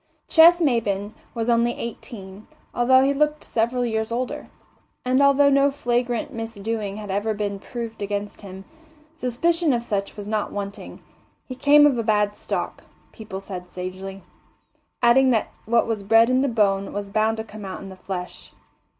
Ches Maybin was only eighteen, although he looked several years older, and although no flagrant misdoing had ever been proved against him, suspicion of such was not wanting. He came of a bad stock, people said sagely, adding that what was bred in the bone was bound to come out in the flesh.